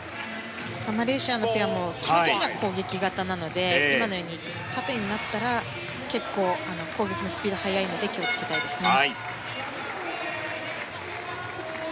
マレーシアのペアも基本的には攻撃型なので今のように、縦になったら結構攻撃のスピードが速いので、気を付けたいですね。